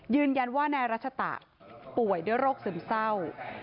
ยืนยันว่านายรัชตะป่วยด้วยโรคซึมเศร้า